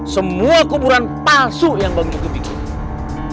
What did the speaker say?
semua kuburan palsu yang bang joki bikin